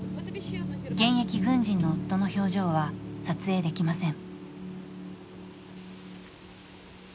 現役軍人の夫の表情は撮影できません。